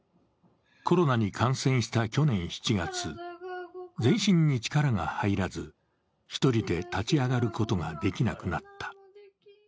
コロナに感染した去年７月、全身に力が入らず、１人で立ち上がることができなくなった。